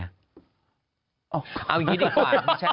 เอาอย่างนี้ดีกว่า